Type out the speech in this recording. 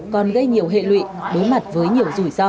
còn gây nhiều hệ lụy đối mặt với nhiều rủi ro